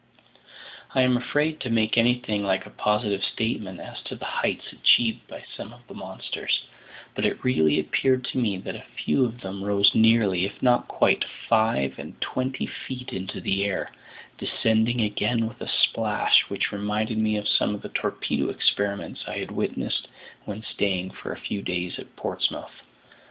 I am afraid to make anything like a positive statement as to the heights achieved by some of the monsters, but it really appeared to me that a few of them rose nearly, if not quite, five and twenty feet into the air, descending again with a splash which reminded me of some of the torpedo experiments I had witnessed when staying for a few days at Portsmouth.